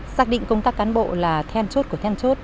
xác định công tác cán bộ là then chốt của then chốt